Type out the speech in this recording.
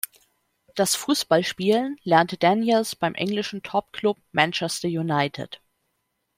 Das Fußballspielen lernte Daniels beim englischen Topklub Manchester United.